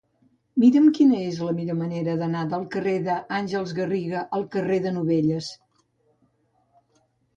Mira'm quina és la millor manera d'anar del carrer d'Àngels Garriga al carrer de Novelles.